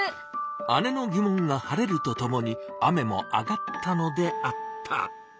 姉のぎ問が晴れるとともに雨もあがったのであった。